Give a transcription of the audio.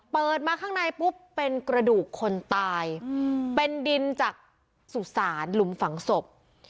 เปิดมาข้างในปุ๊บเป็นกระดูกคนตายเป็นดินจากสุสานหลุมฝังศพ